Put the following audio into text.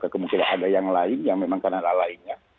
kemungkinan ada yang lain yang memang kan ada lainnya